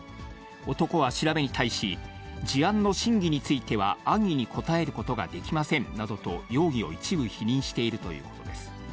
男は調べに対し、事案の真偽については、安易に答えることができませんなどと、容疑を一部否認しているということです。